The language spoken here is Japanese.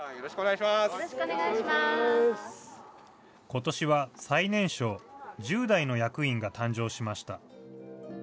ことしは最年少、１０代の役員が誕生しました。